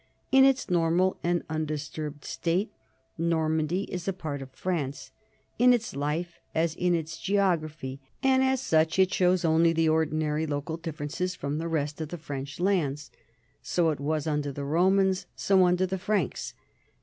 In its normal and undisturbed state Normandy is a part of France, in its life as in its geography, and as such it shows only the ordinary local differences from the rest of the French lands. So it was under the Romans, so under the Franks.